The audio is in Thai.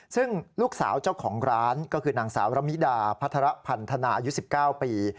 ซึ่งลูกสาวเจ้าของร้านก็คือนางสาวระมิดาพัฒระพันธนาอายุ๑๙ปี